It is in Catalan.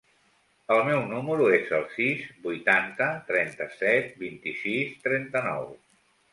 El meu número es el sis, vuitanta, trenta-set, vint-i-sis, trenta-nou.